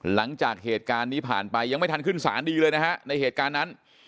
หลังจากเหตุการณ์นี้ผ่านไปยังไม่ทันขึ้นสารดีเลยนะฮะในเหตุการณ์นั้น